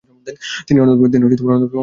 তিনি অন্যতম সদস্য ছিলেন।